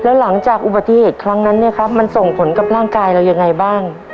แล้วหลังจากอุบัติเหตุครั้งนั้นเนี่ยครับมันส่งผลกับร่างกายเรายังไงบ้าง